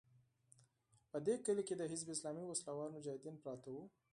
په دې کلي کې د حزب اسلامي وسله وال مجاهدین پراته وو.